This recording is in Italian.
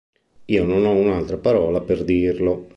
Io non ho un'altra parola per dirlo”.